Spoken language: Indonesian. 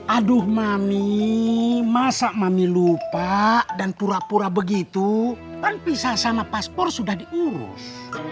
aduh mami masak mami lupa dan pura pura begitu kan pisah sama paspor sudah diurus